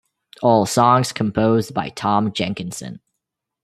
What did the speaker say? All songs composed by Tom Jenkinson.